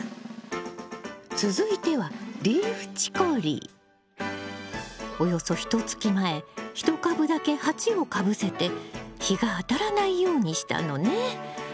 続いてはおよそひとつき前１株だけ鉢をかぶせて日が当たらないようにしたのね。